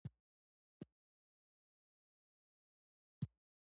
موږ ورسره څومره بېباکانه او بې رحمانه چلند وکړ.